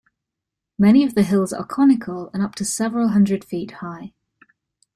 Many of the hills are conical and up to several hundred feet high.